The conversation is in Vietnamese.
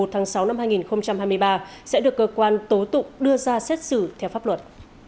tháng sáu năm hai nghìn hai mươi ba sẽ được cơ quan tố tụng đưa ra xét xử theo pháp luật